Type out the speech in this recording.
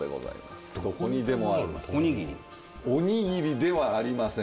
おにぎりではありません。